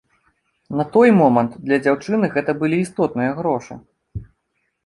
На той момант для дзяўчыны гэта былі істотныя грошы.